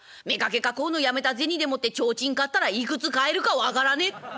妾囲うのやめた銭でもって提灯買ったらいくつ買えるか分からねえ」。